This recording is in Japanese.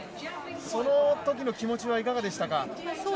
そのときの気持ちはいかがでしたか？